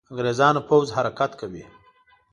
انګرېزانو پوځ حرکت کوي.